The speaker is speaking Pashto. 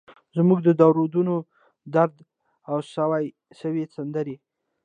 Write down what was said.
زموږ د دور دونو ، ددرد او سوي سندرې